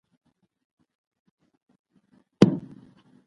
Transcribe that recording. يو بل هلک چوپ پاتې کېږي.